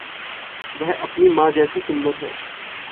वह अपनी माँ जैसी सुंदर है।